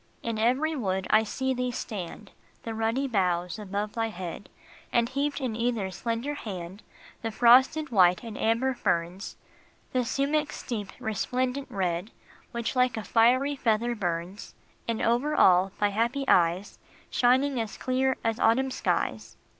In every wood I see thee stand, The ruddy boughs above thy head, And heaped in either slender hand The frosted white and amber ferns, The sumach s deep, resplendent red, Which like a fiery feather burns, And over all, thy happy eyes, Shining as clear as autumn skies.